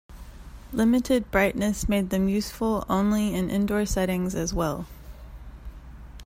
Limited brightness made them useful only in indoor settings as well.